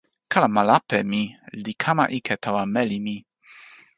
kalama lape mi li kama ike tawa meli mi.